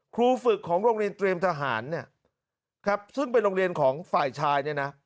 ครูฝึกของโรงเรียนเตรียมทหารเนี่ยครับซึ่งเป็นโรงเรียนของฝ่ายชายเนี่ยนะ